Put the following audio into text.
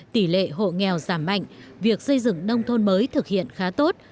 tỷ lệ hộ nghèo giảm mạnh việc xây dựng nông thôn mới thực hiện khá tốt